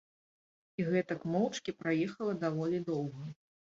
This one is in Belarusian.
І гэтак моўчкі праехала даволі доўга.